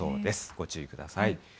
ご注意ください。